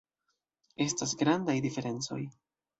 Estas grandaj diferencoj.